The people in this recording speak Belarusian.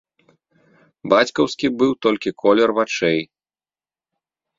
Бацькаўскі быў толькі колер вачэй.